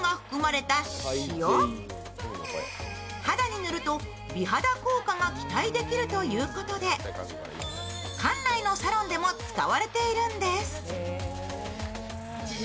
肌に塗ると、美肌効果が期待できるということで館内のサロンでも使われているんです。